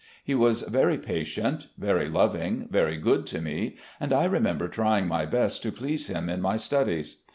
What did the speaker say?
He was very patient, very loving, very good to me, and I remember tr5n[ng my best to please him in my studies.